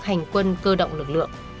hành quân cơ động lực lượng